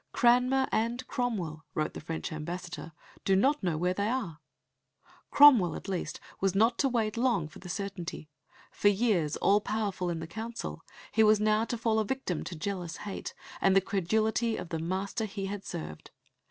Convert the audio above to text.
"Cranmer and Cromwell," wrote the French ambassador, "do not know where they are." Cromwell at least was not to wait long for the certainty. For years all powerful in the Council, he was now to fall a victim to jealous hate and the credulity of the master he had served.